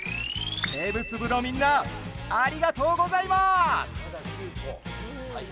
生物部のみんなありがとうございます。